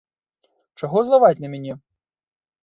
Чаго злаваць на мяне?